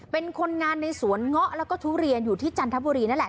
เป็นคนงานในสวนเงาะแล้วก็ทุเรียนอยู่ที่จันทบุรีนั่นแหละ